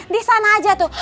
di sana aja tuh